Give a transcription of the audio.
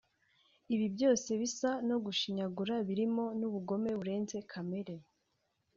Ibi byose bisa no gushinyagura birimo n’ubugome burenze kamere